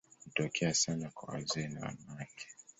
Hutokea sana kwa wazee na wanawake.